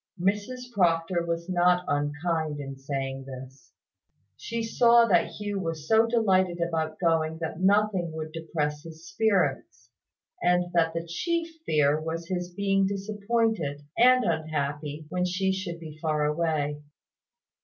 Mrs Proctor was not unkind in saying this. She saw that Hugh was so delighted about going that nothing would depress his spirits, and that the chief fear was his being disappointed and unhappy when she should be far away.